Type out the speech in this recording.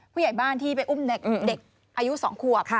ผู้ใหญ่บ้านที่ไปอุ้มเด็กอายุ๒ขวบ